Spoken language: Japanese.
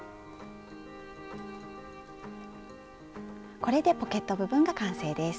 これでポケット部分が完成です。